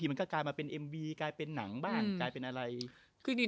ดุหลังเหมือนครึ่งนึงจะกลายเป็นเรื่องเพลง